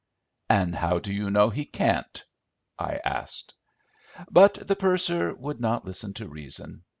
"And how do you know he can't," I asked. But the purser would not listen to reason.